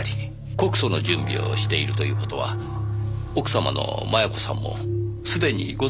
告訴の準備をしているという事は奥様の摩耶子さんもすでにご存じでらっしゃる？